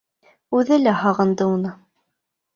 Үҙе лә һағынды уны.